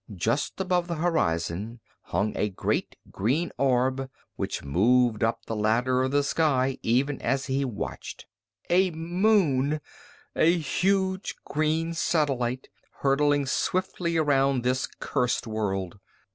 Just above the horizon hung a great green orb, which moved up the ladder of the sky even as he watched. A moon! A huge green satellite hurtling swiftly around this cursed world!